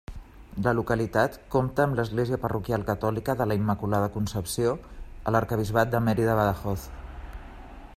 La localitat compta amb l'Església parroquial catòlica de la Immaculada Concepció, a l'Arquebisbat de Mèrida-Badajoz.